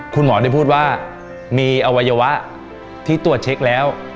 คุณหมอได้พูดว่ามีอวัยวะที่ตรวจเช็คแล้ว